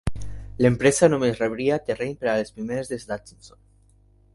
L'empresa només rebria terreny per a les primeres des d'Atchison.